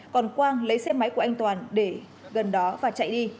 còn quang lấy xe máy của anh toàn để gần đó và chạy đi